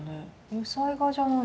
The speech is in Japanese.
油彩画じゃないし。